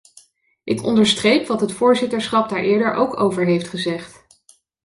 Ik onderstreep wat het voorzitterschap daar eerder ook over heeft gezegd.